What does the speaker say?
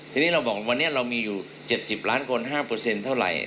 ทีนี้เราบอกวันนี้เรามีอยู่๗๐ล้านคน๕เปอร์เซ็นต์เท่าไหร่